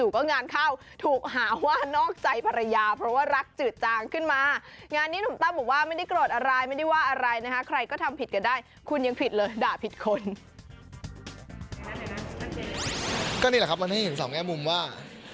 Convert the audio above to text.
ก็นี่แหละครับมันให้เห็นสองแง่มุมว่า